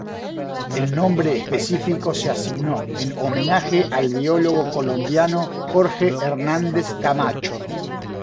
El nombre específico se asignó en homenaje al biólogo colombiano Jorge Hernández Camacho.